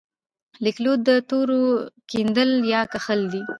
لیکدود د تورو کیندل یا کښل دي.